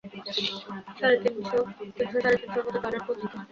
তিনশো-সাঁড়ে তিনশোর মত টয়লেট কোন দিকে?